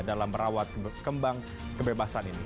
dalam merawat kembang kebebasan ini